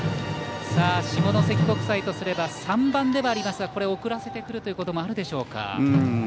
下関国際とすれば３番ではありますがこれ、送ることもあるでしょうか。